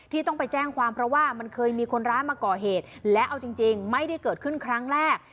ต้องไปแจ้งความเพราะว่ามันเคยมีคนร้ายมาก่อเหตุและเอาจริงไม่ได้เกิดขึ้นครั้งแรก